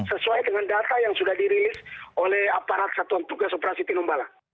sesuai dengan data yang sudah dirilis oleh aparat satuan tugas operasi tinombala